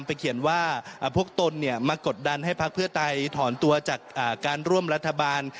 เขียนว่าพวกตนมากดดันให้พักเพื่อไทยถอนตัวจากการร่วมรัฐบาล